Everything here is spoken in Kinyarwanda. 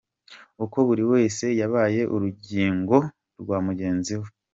kuko buri wese yabaye urugingo rwa mugenzi we.